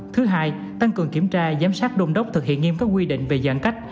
thứ hai tăng cường kiểm tra giám sát đôn đốc thực hiện nghiêm các quy định về giãn cách